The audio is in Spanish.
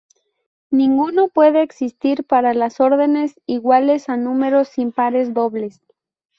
Ninguno puede existir para las órdenes iguales a números impares dobles.